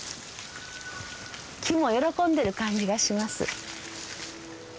木も喜んでる感じがします。